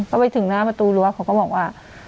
ก็ไปถึงหน้าประตูรั้วเขาก็บอกว่า